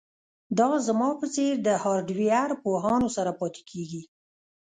دا زما په څیر د هارډویر پوهانو سره پاتې کیږي